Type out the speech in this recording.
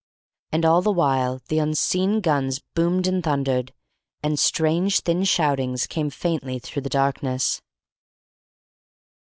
And all the while the unseen guns boomed and thundered, and strange, thin shoutings came faintly through the darkness.